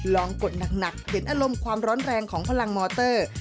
กดหนักเห็นอารมณ์ความร้อนแรงของพลังมอเตอร์